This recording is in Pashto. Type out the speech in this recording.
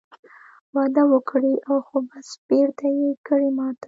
وعده وکړې خو بس بېرته یې کړې ماته